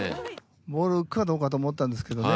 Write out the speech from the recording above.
ボール浮くかどうかと思ったんですけどね